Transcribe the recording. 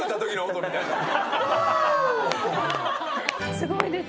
すごいです。